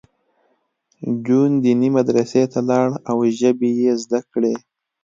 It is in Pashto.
جون دیني مدرسې ته لاړ او ژبې یې زده کړې